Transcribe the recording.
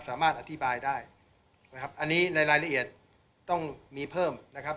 สามารถอธิบายได้นะครับอันนี้ในรายละเอียดต้องมีเพิ่มนะครับ